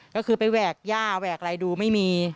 ก็คือไปแหวกย่าแหวกอะไรดูไม่มี